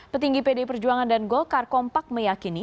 petinggi pdi perjuangan dan golkar kompak meyakini